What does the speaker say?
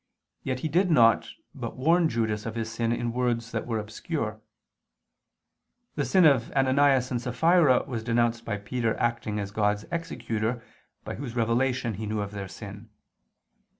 Yet He did not, but warned Judas of his sin in words that were obscure. The sin of Ananias and Saphira was denounced by Peter acting as God's executor, by Whose revelation he knew of their sin.